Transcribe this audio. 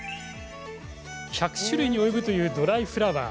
１００種類に及ぶというドライフラワー。